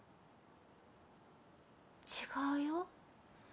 違うよ。